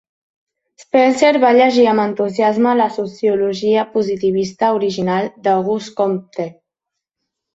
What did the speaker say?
Spencer va llegir amb entusiasme la sociologia positivista original d'Auguste Comte.